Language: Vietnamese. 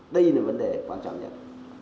đây là vấn đề quan trọng nhất